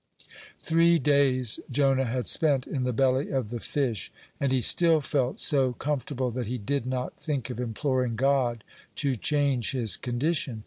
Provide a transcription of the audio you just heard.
Three days Jonah had spent in the belly of the fish, and he still felt so comfortable that he did not think of imploring God to change his condition.